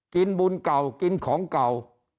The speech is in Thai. กินบุญเก่ากินของเก่า